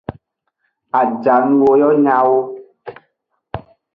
Ajanuwo yo nyawo.